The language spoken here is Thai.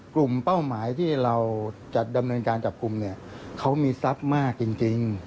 เป้าหมายที่เราจะดำเนินการจับกลุ่มเนี่ยเขามีทรัพย์มากจริง